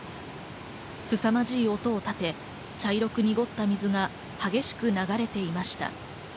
すさまじい音を立て、茶色く濁った水が激しく流れていました。